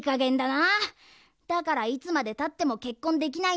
だからいつまでたってもけっこんできないんだ。